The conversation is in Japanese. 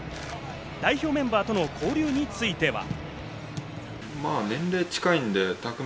代表メンバーとの交流については。